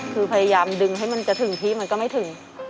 คือพยายามดึงให้มันจะถึงที่มันก็ไม่ถึง